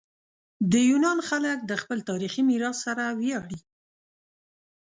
د یونان خلک د خپل تاریخي میراث سره ویاړي.